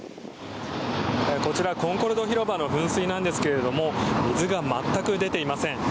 こちら、コンコルド広場の噴水なんですけれども水が全く出ていません。